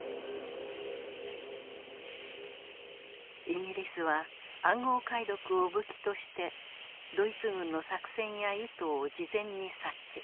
イギリスは暗号解読を武器としてドイツ軍の作戦や意図を事前に察知。